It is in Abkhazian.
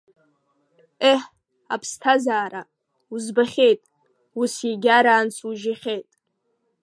Ех, аԥсҭазаара, узбахьеит, ус иагьараан сужьахьеит.